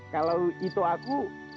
kalau itu aku